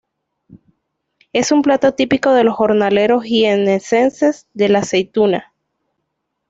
Es un plato típico de los jornaleros jiennenses de la aceituna.